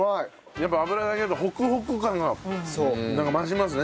やっぱ油で揚げるとホクホク感がなんか増しますね。